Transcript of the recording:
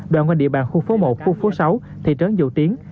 đoàn quanh địa bàn khu phố một khu phố sáu thị trấn dầu tiến